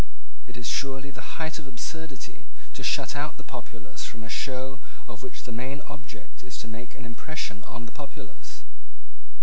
It is surely the height of absurdity to shut out the populace from a show of which the main object is to make an impression on the populace.